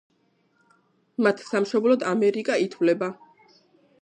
მათ სამშობლოდ ამერიკა ითვლება.